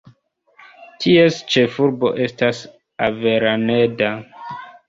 Ties ĉefurbo estas Avellaneda.